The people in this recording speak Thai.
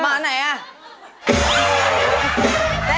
หมาไหนอ่ะ